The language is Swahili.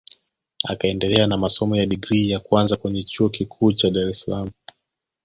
Akaendelea na masomo ya digrii ya kwanza kwenye Chuo Kikuu cha Dar es Salaam